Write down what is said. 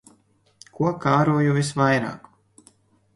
Ko kāroju visvairāk.